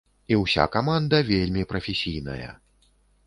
І ўся каманда вельмі прафесійная.